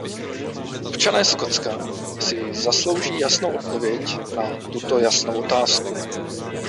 Občané Skotska si zaslouží jasnou odpověď na tuto jasnou otázku.